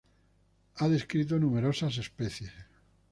Ha descrito numerosas especies.